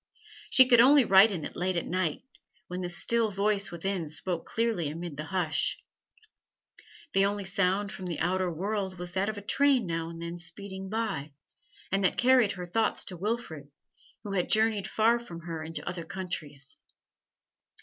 She could only write in it late at night, when the still voice within spoke clearly amid the hush. The only sound from the outer world was that of a train now and then speeding by, and that carried her thoughts to Wilfrid, who had journeyed far from her into other countries.